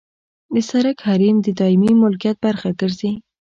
د سرک حریم د دایمي ملکیت برخه ګرځي